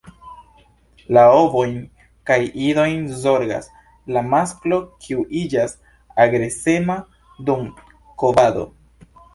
La ovojn kaj idojn zorgas la masklo, kiu iĝas agresema dum kovado.